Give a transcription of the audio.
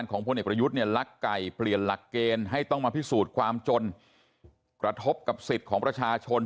เป็นศาสนภูมิที่มันมีฐานะอยู่แล้วแต่ในความจริงไม่ใช่อย่างนั้นหรอกครับ